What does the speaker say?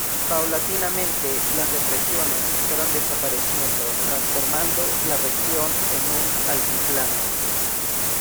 Paulatinamente, las depresiones fueron desapareciendo, transformando la región en un altiplano.